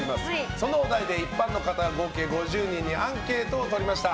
そのお題で一般の方合計５０人にアンケートを取りました。